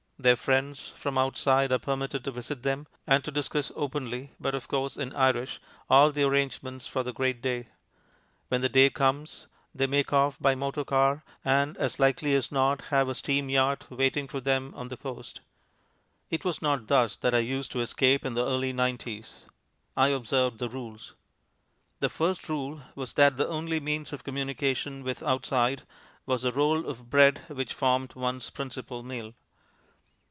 Their friends from outside are permitted to visit them, and to discuss openly (but of course, in Irish) all the arrangements for the great day. When the day comes, they make off by motor car, and as likely as not have a steam yacht waiting for them on the coast. It was not thus that I used to escape in the early nineties. I observed the rules. The first rule was that the only means of communication with outside was the roll of bread which formed one's principal meal.